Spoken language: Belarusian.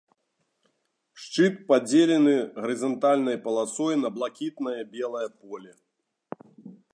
Шчыт падзелены гарызантальнай паласой на блакітнае і белае поле.